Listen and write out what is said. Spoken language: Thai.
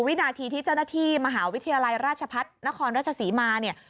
วินาทีที่เจ้าหน้าที่มหาวิทยาลัยราชพัฒนครราชศรีมาเนี่ย